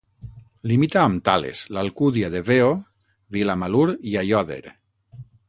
Limita amb Tales, l'Alcúdia de Veo, Vilamalur i Aiòder.